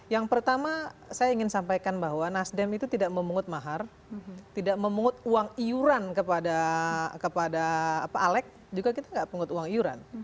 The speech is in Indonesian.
yang pertama saya ingin sampaikan bahwa nasdem itu tidak memungut mahar tidak memungut uang iuran kepada alex juga kita tidak pungut uang iuran